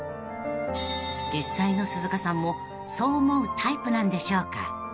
［実際の鈴鹿さんもそう思うタイプなんでしょうか？］